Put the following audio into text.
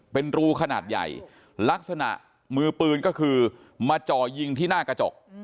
เป็นรูขนาดใหญ่ลักษณะมือปืนก็คือมาจ่อยิงที่หน้ากระจก